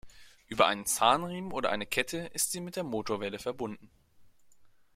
Über einen Zahnriemen oder eine Kette ist sie mit der Motorwelle verbunden.